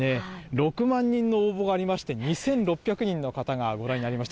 ６万人の応募がありまして、２６００人の方がご覧になりました。